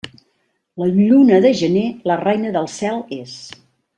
La lluna de gener la reina del cel és.